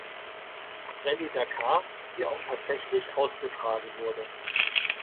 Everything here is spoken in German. Rallye Dakar, die auch tatsächlich ausgetragen wurde.